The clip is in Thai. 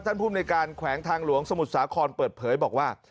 ภูมิในการแขวงทางหลวงสมุทรสาครเปิดเผยบอกว่า